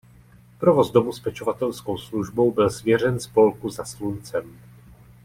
Provoz domu s pečovatelskou službou byl svěřen spolku Za Sluncem.